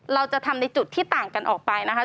เราจะทำในจุดที่ต่างกันออกไปนะคะ